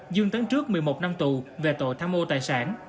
dương tấn trước một mươi một năm tù về tội tham mô tài sản